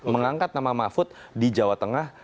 mengangkat nama mahfud di jawa tengah